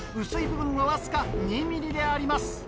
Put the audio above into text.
薄い部分はわずか２ｍｍであります。